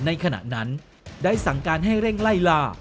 ในขณะนั้นได้สั่งการให้เร่งไล่ล่า